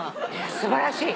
素晴らしい。